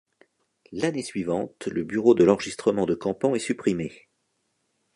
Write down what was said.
L'année suivante, le bureau de l'enregistrement de Campan est supprimé.